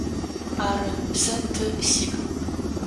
Ары, сэ ты сиӏ.